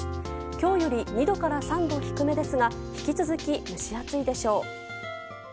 今日より２度から３度低めですが引き続き、蒸し暑いでしょう。